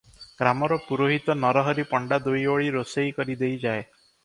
ଗ୍ରାମର ପୁରୋହିତ ନରହରି ପଣ୍ଡା ଦୁଇଓଳି ରୋଷେଇ କରି ଦେଇଯାଏ ।